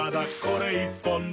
これ１本で」